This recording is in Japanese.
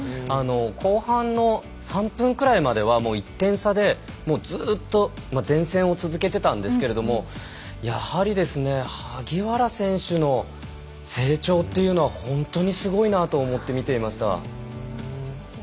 後半の３分くらいまでは１点差でずっと善戦を続けてたんですけれどやはり萩原選手の成長というのは本当にすごいなと思って見ていました。